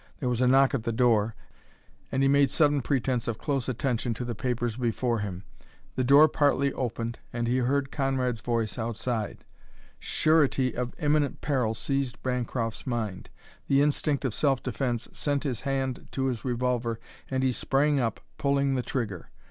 There was a knock at the door, and he made sudden pretence of close attention to the papers before him. The door partly opened and he heard Conrad's voice outside. Surety of imminent peril seized Bancroft's mind. The instinct of self defence sent his hand to his revolver, and he sprang up, pulling the trigger.